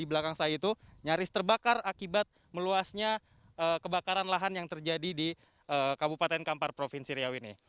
di belakang saya itu nyaris terbakar akibat meluasnya kebakaran lahan yang terjadi di kabupaten kampar provinsi riau ini